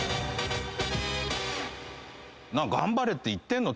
「頑張れって言ってんの？